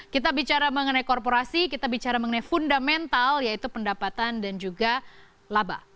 kita bicara mengenai korporasi kita bicara mengenai fundamental yaitu pendapatan dan juga laba